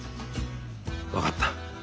分かった。